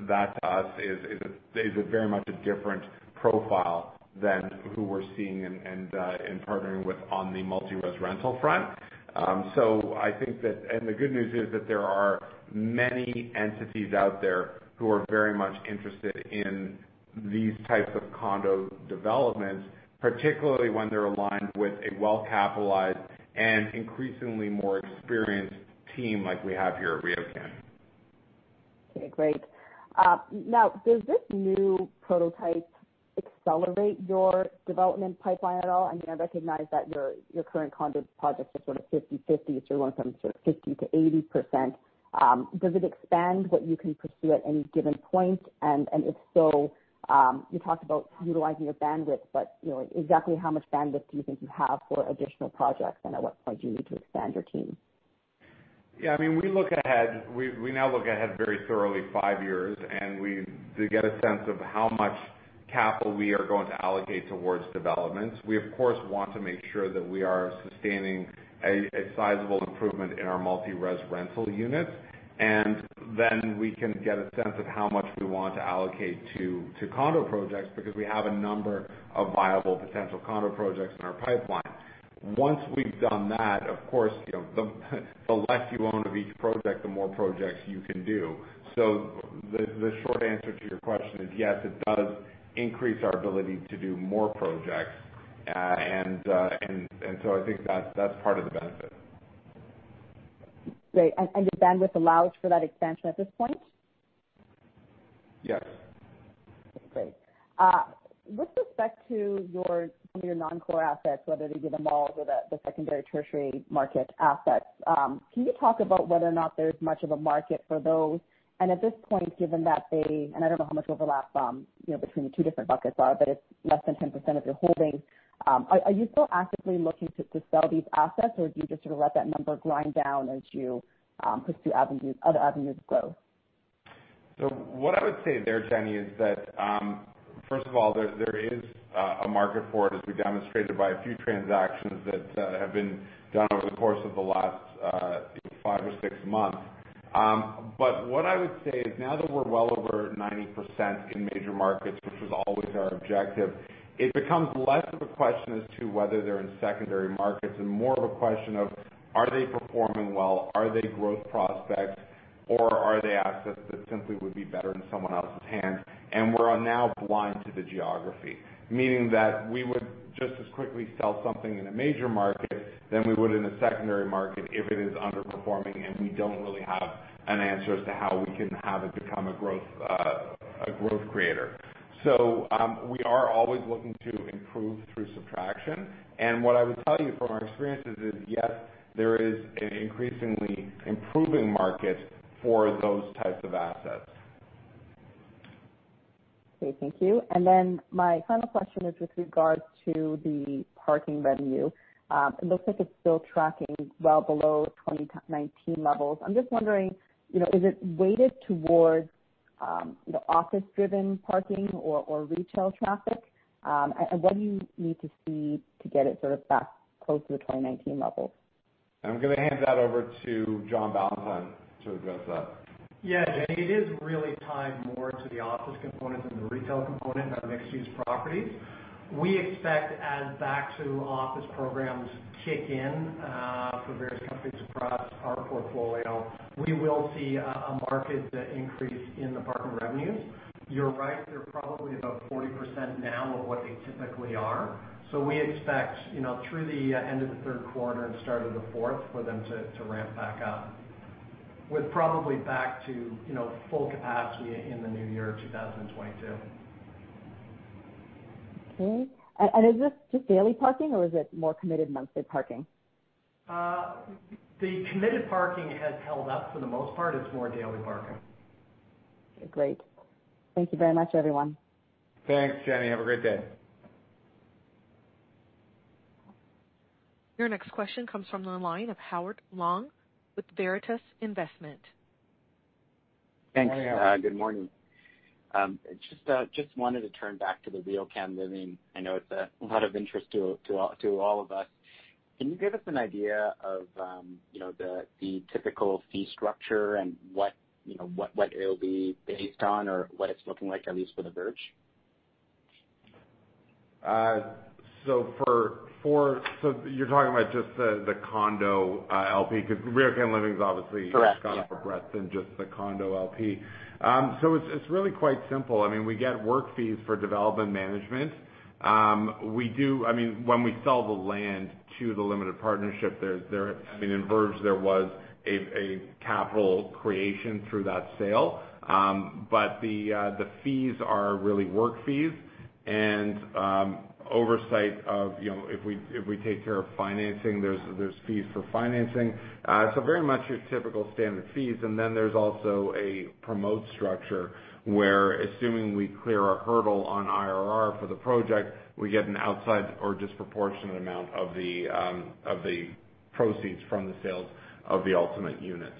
That, to us, is a very much a different profile than who we're seeing and partnering with on the multi-res rental front. The good news is that there are many entities out there who are very much interested in these types of condo developments, particularly when they're aligned with a well-capitalized and increasingly more experienced team like we have here at RioCan. Okay, great. Now, does this new prototype accelerate your development pipeline at all? I recognize that your current condo projects are sort of 50/50. You're going from sort of 50% to 80%. Does it expand what you can pursue at any given point? If so, you talked about utilizing your bandwidth, but exactly how much bandwidth do you think you have for additional projects, and at what point do you need to expand your team? We now look ahead very thoroughly five years. We do get a sense of how much capital we are going to allocate towards developments. We, of course, want to make sure that we are sustaining a sizable improvement in our multi-res rental units. Then we can get a sense of how much we want to allocate to condo projects, because we have a number of viable potential condo projects in our pipeline. Once we've done that, of course, the less you own of each project, the more projects you can do. The short answer to your question is yes, it does increase our ability to do more projects. I think that's part of the benefit. Great. Your bandwidth allows for that expansion at this point? Yes. Great. With respect to some of your non-core assets, whether they be the malls or the secondary, tertiary market assets, can you talk about whether or not there's much of a market for those? At this point, given that they, and I don't know how much overlap between the two different buckets are, but it's less than 10% of your holdings. Are you still actively looking to sell these assets, or do you just sort of let that number grind down as you pursue other avenues of growth? What I would say there, Jenny, is that first of all, there is a market for it, as we demonstrated by a few transactions that have been done over the course of the last five or six months. What I would say is now that we're well over 90% in major markets, which was always our objective, it becomes less of a question as to whether they're in secondary markets and more of a question of are they performing well? Are they growth prospects, or are they assets that simply would be better in someone else's hands? We're now blind to the geography, meaning that we would just as quickly sell something in a major market than we would in a secondary market if it is underperforming, and we don't really have an answer as to how we can have it become a growth creator. We are always looking to improve through subtraction. What I would tell you from our experiences is, yes, there is an increasingly improving market for those types of assets. Okay, thank you. My final question is with regards to the parking revenue. It looks like it's still tracking well below 2019 levels. I'm just wondering, is it weighted towards office-driven parking or retail traffic? What do you need to see to get it sort of back close to the 2019 levels? I'm going to hand that over to John Ballantyne to address that. Yeah. Jenny, it is really tied more to the office component than the retail component in our mixed-use properties. We expect as back to office programs kick in for various companies across our portfolio, we will see a marked increase in the parking revenues. You're right, they're probably about 40% now of what they typically are. We expect through the end of the third quarter and start of the fourth for them to ramp back up, with probably back to full capacity in the new year 2022. Okay. Is this just daily parking or is it more committed monthly parking? The committed parking has held up for the most part. It's more daily parking. Great. Thank you very much, everyone. Thanks, Jenny. Have a great day. Your next question comes from the line of Howard Leung with Veritas Investment. Thanks. Hi, Howard. Good morning. Just wanted to turn back to the RioCan Living. I know it's of a lot of interest to all of us. Can you give us an idea of the typical fee structure and what it'll be based on or what it's looking like, at least for Verge? You're talking about just the condo LP, because RioCan Living's obviously. Correct. Much broader breadth than just the condo LP. It's really quite simple. We get work fees for development management. When we sell the land to the limited partnership, in Verge, there was a capital creation through that sale. The fees are really work fees and oversight of if we take care of financing, there's fees for financing. Very much your typical standard fees. There's also a promote structure where assuming we clear our hurdle on IRR for the project, we get an outside or disproportionate amount of the proceeds from the sales of the ultimate units.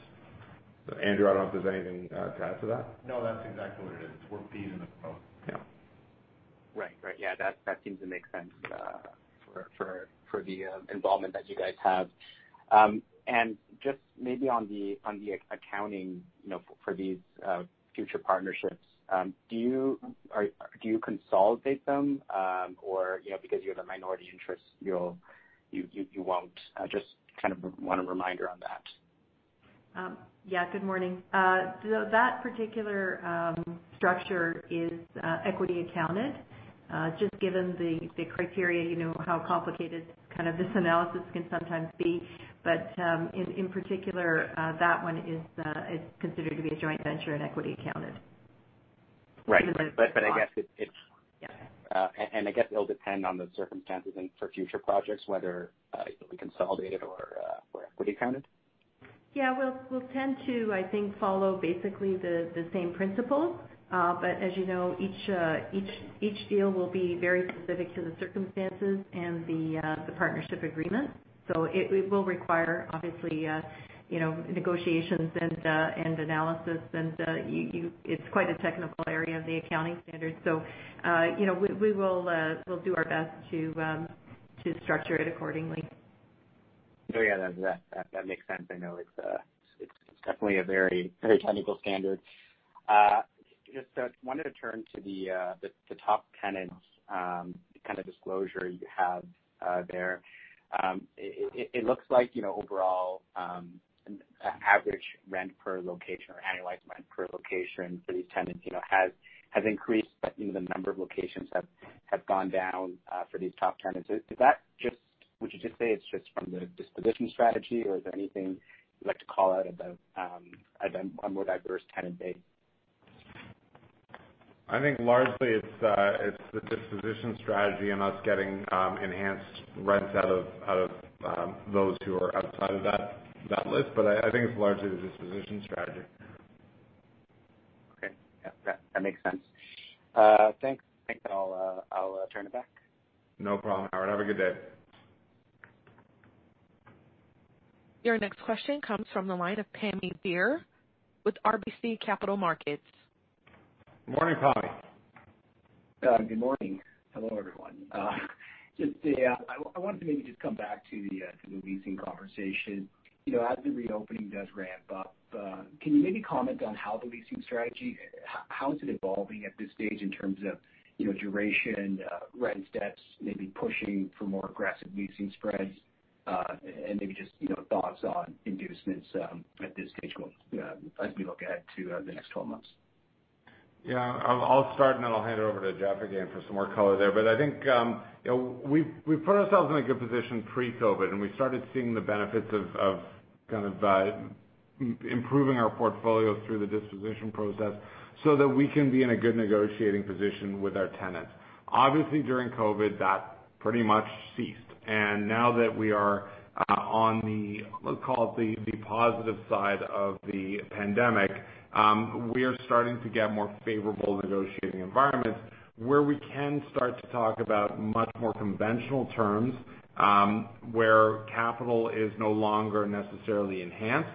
Andrew, I don't know if there's anything to add to that. No, that's exactly what it is. Work fees and the promote. Yeah. Right. Yeah, that seems to make sense for the involvement that you guys have. Just maybe on the accounting for these future partnerships, do you consolidate them or because you have a minority interest, you won't? Just kind of want a reminder on that. Yeah. Good morning. That particular structure is equity accounted. Just given the criteria, how complicated kind of this analysis can sometimes be. In particular, that one is considered to be a joint venture and equity accounted. Right. Even though there's a cost. Yeah. I guess it'll depend on the circumstances and for future projects, whether it'll be consolidated or equity accounted. Yeah. We'll tend to, I think, follow basically the same principle. As you know, each deal will be very specific to the circumstances and the partnership agreement. It will require, obviously, negotiations and analysis, and it's quite a technical area of the accounting standard. We'll do our best to structure it accordingly. Oh, yeah. That makes sense. I know it is definitely a very technical standard. Just wanted to turn to the top tenants kind of disclosure you have there. It looks like overall average rent per location or annualized rent per location for these tenants has increased, but the number of locations have gone down for these top tenants. Would you just say it is just from the disposition strategy, or is there anything you would like to call out about a more diverse tenant base? I think largely it's the disposition strategy and us getting enhanced rents out of those who are outside of that list. I think it's largely the disposition strategy. Okay. Yeah. That makes sense. Thanks. I think that I'll turn it back. No problem, Howard. Have a good day. Your next question comes from the line of Pammi Bir with RBC Capital Markets. Morning, Pammi. Good morning. Hello, everyone. I wanted to maybe just come back to the leasing conversation. As the reopening does ramp up, can you maybe comment on how the leasing strategy, how is it evolving at this stage in terms of duration, rent steps, maybe pushing for more aggressive leasing spreads? Maybe just thoughts on inducements at this stage as we look ahead to the next 12 months? Yeah. I'll start, and then I'll hand it over to Jeff again for some more color there. I think we've put ourselves in a good position pre-COVID, and we started seeing the benefits of kind of improving our portfolios through the disposition process so that we can be in a good negotiating position with our tenants. Obviously, during COVID, that pretty much ceased. Now that we are on the, let's call it the positive side of the pandemic, we are starting to get more favorable negotiating environments where we can start to talk about much more conventional terms, where capital is no longer necessarily enhanced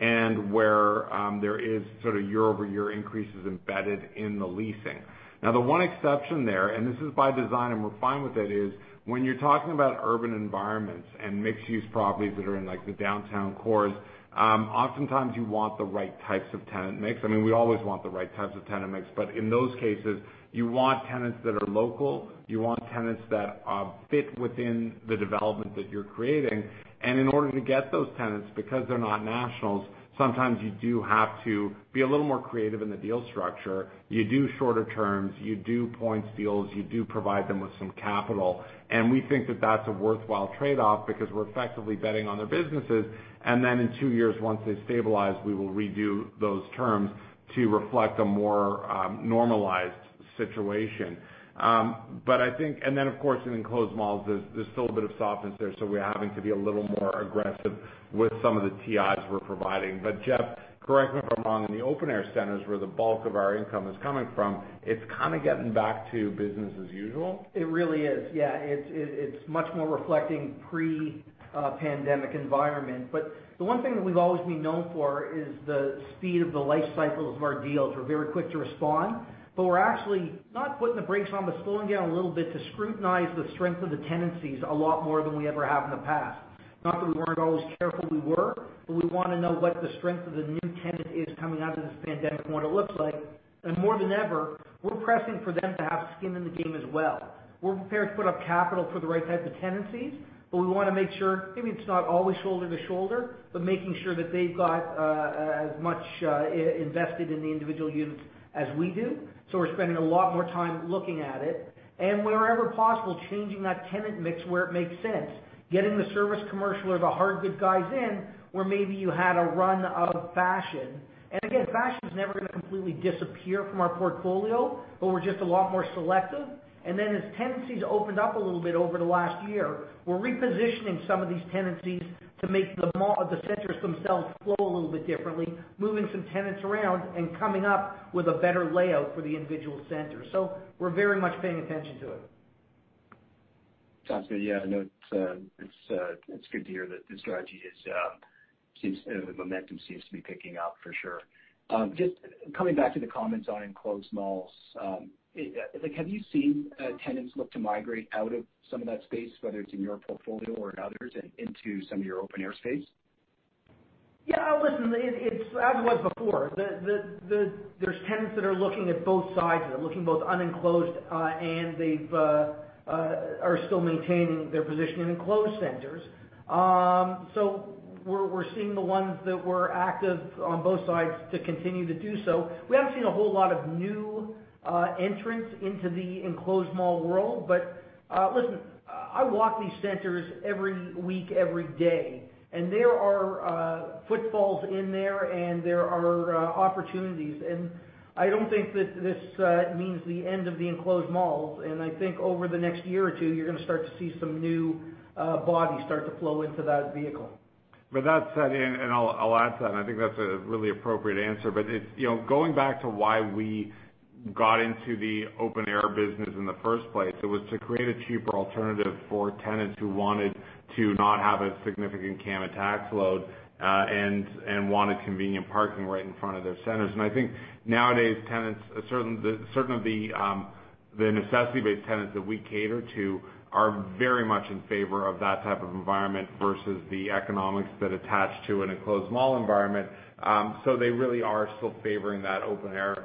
and where there is sort of year-over-year increases embedded in the leasing. The one exception there, and this is by design, and we're fine with it, is when you're talking about urban environments and mixed-use properties that are in the downtown cores, oftentimes you want the right types of tenant mix. I mean, we always want the right types of tenant mix, but in those cases, you want tenants that are local. You want tenants that fit within the development that you're creating. In order to get those tenants, because they're not nationals, sometimes you do have to be a little more creative in the deal structure. You do shorter terms. You do points deals. You do provide them with some capital. We think that that's a worthwhile trade-off because we're effectively betting on their businesses. Then in two years, once they stabilize, we will redo those terms to reflect a more normalized situation. Of course, in enclosed malls, there's still a bit of softness there, so we're having to be a little more aggressive with some of the TIs we're providing. Jeff, correct me if I'm wrong, in the open-air centers where the bulk of our income is coming from, it's kind of getting back to business as usual. It really is. Yeah. It's much more reflecting pre-pandemic environment. The one thing that we've always been known for is the speed of the life cycles of our deals. We're very quick to respond, but we're actually not putting the brakes on, but slowing down a little bit to scrutinize the strength of the tenancies a lot more than we ever have in the past. Not that we weren't always careful, we were, but we want to know what the strength of the new tenant is coming out of this pandemic and what it looks like. More than ever, we're pressing for them to have skin in the game as well. We're prepared to put up capital for the right types of tenancies, but we want to make sure maybe it's not always shoulder to shoulder, but making sure that they've got as much invested in the individual units as we do. We're spending a lot more time looking at it. Wherever possible, changing that tenant mix where it makes sense, getting the service commercial or the hard good guys in, where maybe you had a run of fashion. Again, fashion's never going to completely disappear from our portfolio, but we're just a lot more selective. Then as tenancies opened up a little bit over the last year, we're repositioning some of these tenancies to make the centers themselves flow a little bit differently, moving some tenants around and coming up with a better layout for the individual centers. We're very much paying attention to it. Sounds good. I know it's good to hear that the strategy the momentum seems to be picking up for sure. Just coming back to the comments on enclosed malls. Have you seen tenants look to migrate out of some of that space, whether it's in your portfolio or in others, and into some of your open-air space? Yeah. Listen, as it was before. There's tenants that are looking at both sides of it, looking both unenclosed, and they are still maintaining their position in enclosed centers. We're seeing the ones that were active on both sides to continue to do so. We haven't seen a whole lot of new entrants into the enclosed mall world. Listen, I walk these centers every week, every day, and there are footfalls in there, and there are opportunities. I don't think that this means the end of the enclosed malls. I think over the next year or two years, you're going to start to see some new bodies start to flow into that vehicle. With that said, I'll add to that. I think that's a really appropriate answer. Going back to why we got into the open-air business in the first place, it was to create a cheaper alternative for tenants who wanted to not have a significant CAM and tax load, and wanted convenient parking right in front of their centers. I think nowadays, tenants, certainly the necessity-based tenants that we cater to, are very much in favor of that type of environment versus the economics that attach to an enclosed mall environment. They really are still favoring that open-air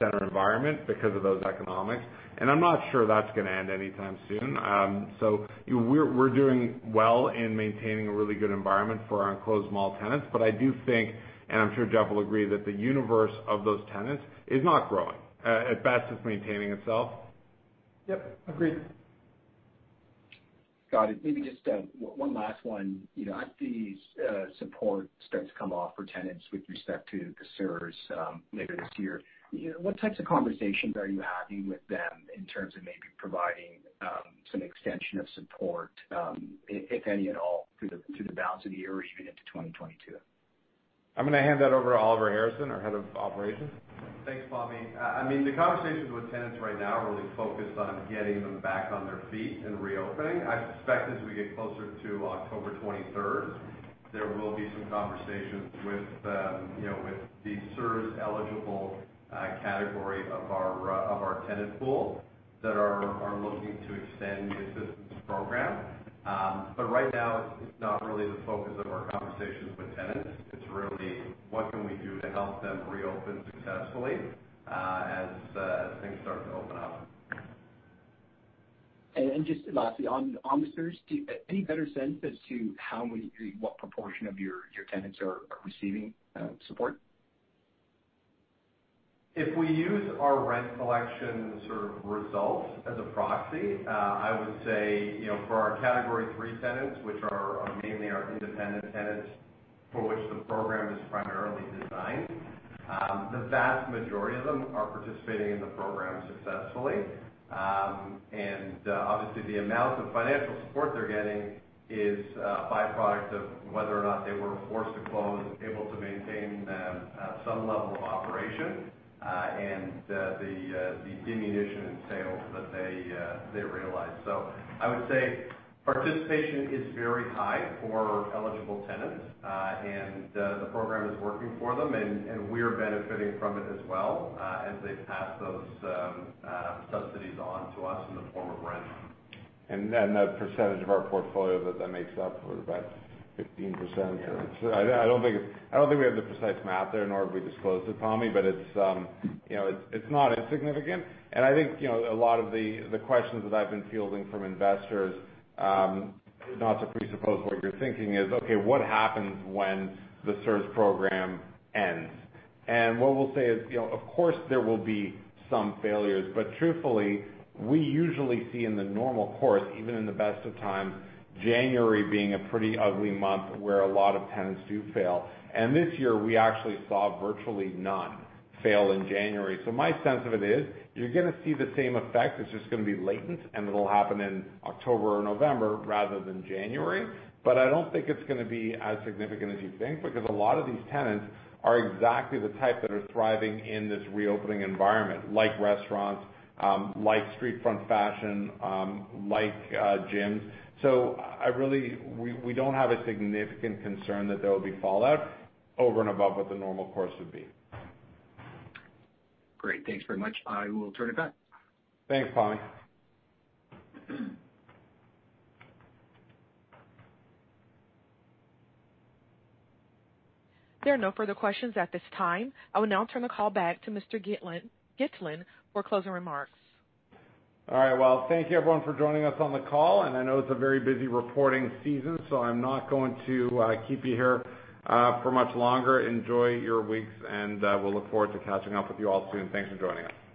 center environment because of those economics, and I'm not sure that's going to end anytime soon. We're doing well in maintaining a really good environment for our enclosed mall tenants. I do think, and I'm sure Jeff will agree, that the universe of those tenants is not growing. At best, it's maintaining itself. Yep, agreed. Got it. Maybe just one last one. As the support starts to come off for tenants with respect to the CERS later this year, what types of conversations are you having with them in terms of maybe providing some extension of support, if any at all, through the balance of the year or even into 2022? I'm going to hand that over to Oliver Harrison, our Head of Operations. Thanks, Pammi. The conversations with tenants right now are really focused on getting them back on their feet and reopening. I suspect as we get closer to October 23rd, there will be some conversations with the CERS-eligible category of our tenant pool that are looking to extend the assistance program. Right now, it's not really the focus of our conversations with tenants. It's really what can we do to help them reopen successfully as things start to open up. Just lastly, on CERS, any better sense as to what proportion of your tenants are receiving support? If we use our rent collection results as a proxy, I would say for our category three tenants, which are mainly our independent tenants for which the program is primarily designed, the vast majority of them are participating in the program successfully. Obviously, the amount of financial support they're getting is a byproduct of whether or not they were forced to close, able to maintain some level of operation, and the diminution in sales that they realized. I would say participation is very high for eligible tenants, and the program is working for them, and we're benefiting from it as well as they pass those subsidies on to us in the form of rent. The percentage of our portfolio that makes up for about 15%. I don't think we have the precise math there, nor have we disclosed it, Pammi, but it's not insignificant. I think a lot of the questions that I've been fielding from investors, not to presuppose what you're thinking is, okay, what happens when the CERS program ends? What we'll say is, of course, there will be some failures, but truthfully, we usually see in the normal course, even in the best of times, January being a pretty ugly month where a lot of tenants do fail. This year, we actually saw virtually none fail in January. My sense of it is you're going to see the same effect. It's just going to be latent, and it'll happen in October or November rather than January. I don't think it's going to be as significant as you think, because a lot of these tenants are exactly the type that are thriving in this reopening environment, like restaurants, like street front fashion, like gyms. We don't have a significant concern that there will be fallout over and above what the normal course would be. Great. Thanks very much. I will turn it back. Thanks, Pammi. There are no further questions at this time. I will now turn the call back to Mr. Gitlin for closing remarks. All right. Well, thank you everyone for joining us on the call, and I know it's a very busy reporting season, so I'm not going to keep you here for much longer. Enjoy your weeks, and we'll look forward to catching up with you all soon. Thanks for joining us. Bye.